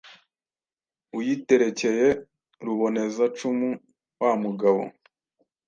Uyiterekeye Ruboneza-cumu wamugabo